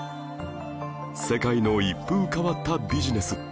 世界の一風変わったビジネス